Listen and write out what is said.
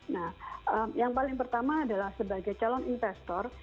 nah yang paling pertama adalah sebagai calon investor